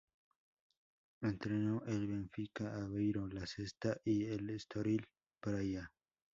Entrenó al Benfica, Aveiro la Cesta y el Estoril Praia.